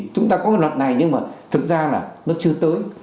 chúng ta có cái luật này nhưng mà thực ra là nó chưa tới